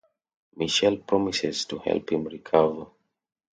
Michelle promises to help him recover.